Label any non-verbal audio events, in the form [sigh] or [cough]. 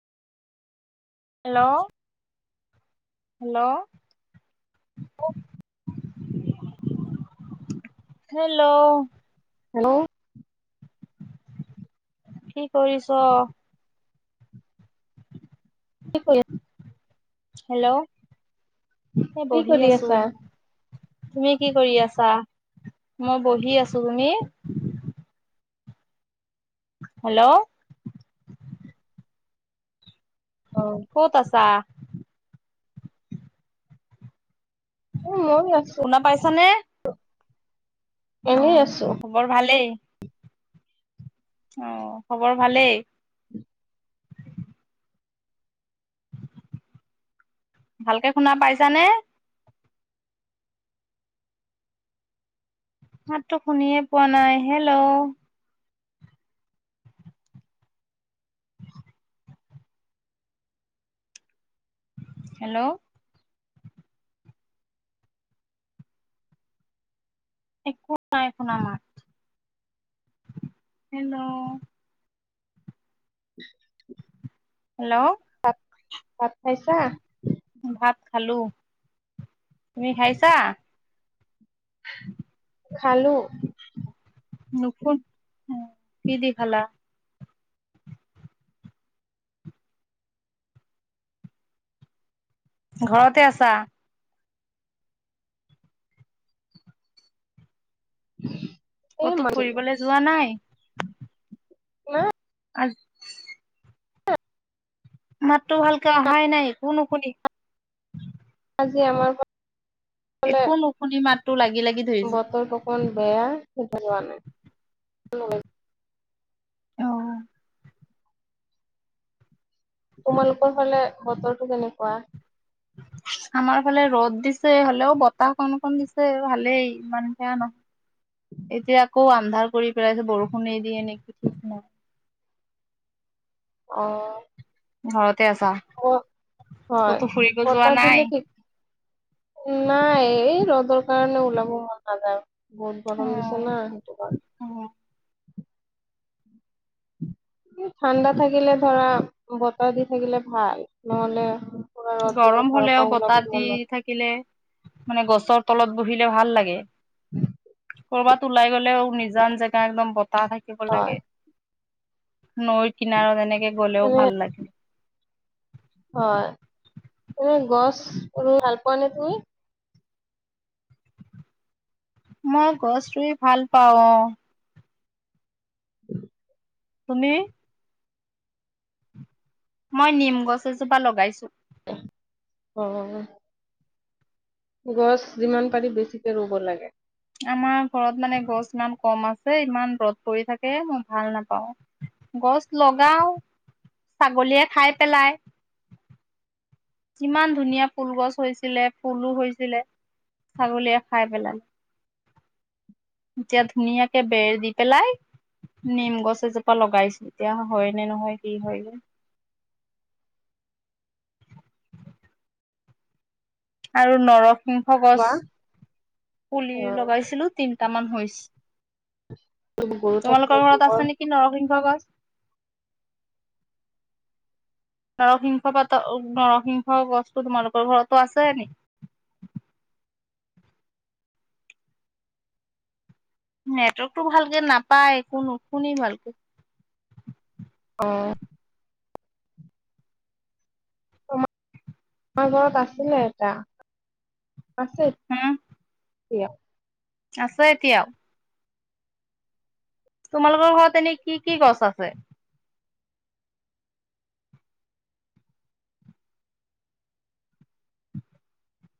Hello. Hello. Hello. Hello. কি কৰিছ? কি কৰি হেল্ল'। এই কি বহি কৰি আছোঁ। আছা? তুমি কি কৰি আছা? মই বহি আছোঁ। তুমি? হেল্ল'। অ'। ক'ত আছা? উ, ময়ো আছোঁ। শুনা পাইছানে? এনেই অ' আছো। খবৰ ভালেই? অ' খবৰ ভালেই? ভালকে শুনা পাইছানে? মাতটো শুনিয়ে পোৱা নাই, হেল্ল'। হেল্ল'। একো নাই শুনা মাত। হেল্ল'। [inaudible] হেল্ল'। তাত ভাত খাইছা? ভাত খালোঁ তুমি খাইছা? খালোঁ। নুফু, কিদি খালা? ঘৰতে আছা? [inaudible] ক'তো মাৰিলো ফুৰিবলৈ যোৱা নাই? নাই আজ মাতটো ভালকে অহাই নাই, একো নুশুনি। আজি আমাৰ ঘ একো নুশুনি, মাতটো লাগি লাগি ধৰিছে। ফোন বেয়া সেইটো লোৱা নাই। অ'। তোমালোকৰ ফালে বতৰটো কেনেকুৱা? [inaudible] আমাৰ ফালে ৰ'দ দিছে হ'লেও বতাহ কন কন দিছে, ভালেই ইমান সেয়া নহয়। এতিয়া আকৌ আন্ধাৰ কৰি পেলাইছে, বৰষুণে দিয়ে নেকি ঠিক নাই। অ'। ঘৰতে আছা? ক হয়। ক'তো ফুৰিব যোৱা বতাহ নাই? দিলে ঠিক নাই এই ৰ'দৰ কাৰণে ওলাব মন নাযায়, বহুত গৰম দিছে না সেইটো কাৰনে। অ'। ঠাণ্ডা থাকিলে ধৰা বতাহ দি থাকিলে ভাল, নহ'লে পুৰা ৰ'দ দিলে গৰম ঘৰৰ হ'লেও, পৰা ওলাব বতাহ মন দি নাযায়। থাকিলে মানে গছৰ তলত বহিলে ভাল লাগে। [inaudible] কৰ'বাত ওলাই গ'লে নিজান জেগা একদম বতাহ থাকিব হয়। লাগে, নৈত কিনাৰত এনেকে গ'লেও এনে ভাল লাগে। হয়। এনে গছ ৰুই ভাল পোৱা নে তুমি? মই গছ ৰুই ভাল পাওঁ অ'। [inaudible] তুমি? মই নিম গছ এজোপা লগাইছোঁ। অ'। গছ যিমান পাৰি বেছিকে ৰুব লাগে। আমাৰ ঘৰত মানে গছ ইমান কম আছে, ইমান ৰ'দ পৰি থাকে মই ভাল নাপাওঁ। গছ লগাই, ছাগলীয়ে খাই পেলাই। কিমান ধুনীয়া ফুল গছ হৈছিলে, ফুলো হৈছিলে। ছাগলীয়ে খাই পেলালে। এতিয়া ধুনীয়াকে বেৰ দি পেলাই নিম গছ এজোপা লগাইছোঁ এতিয়া হয় নে নহয়, কি হয়গৈ। আৰু নৰসিংহ গছ বা পুলি অ' লগাইছিলো। তিনটামান হৈছে। গৰু থাকিলে তোমালোকৰ ঘৰত গোবৰ আছ নেকি নৰসিংহ গছ। নৰসিংহ পাত নৰসিংহ গছটো তোমালোকৰ ঘৰতো আছে নি? নেটৱৰ্কটো ভালকে নাপায়, একো নোশুনি ভালকৈ। অ'। আমাৰ ঘৰত আছিলে এটা, আছে। উম কুয়া আছে এতিয়াও? তোমালোকৰ ঘৰত এনে কি কি গছ আছে?